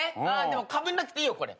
でもかぶんなくていいよこれ。